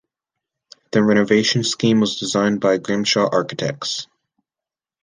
The renovation scheme was designed by Grimshaw Architects.